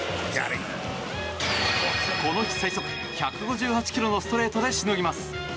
この日、最速１５８ｋｍのストレートでしのぎます。